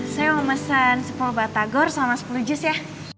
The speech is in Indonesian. mau pesen sepuluh batagor sama sepuluh jus ya